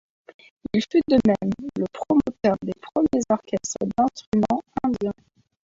Il fut de même le promoteur des premiers orchestres d'instruments indiens.